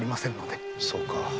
そうか。